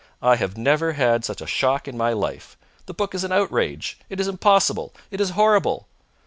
I have never had such a shock in my life. The book is an outrage. It is impossible. It is horrible!"